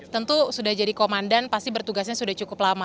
tentu sudah jadi komandan pasti bertugasnya sudah cukup lama